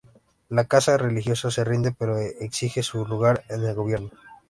La casta religiosa se rinde pero exige su lugar en el Gobierno.